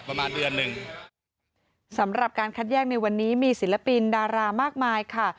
ประมาณเดือนหนึ่งสำหรับการคัดแยกในวันนี้มีศิลปินดารามากมายค่ะ